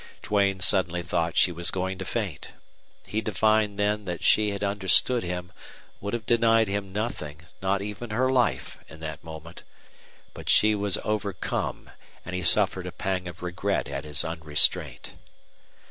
Duane suddenly thought she was going to faint. He divined then that she had understood him, would have denied him nothing, not even her life, in that moment. But she was overcome, and he suffered a pang of regret at his unrestraint.